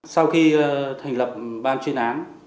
sau khi thành lập ban chuyên án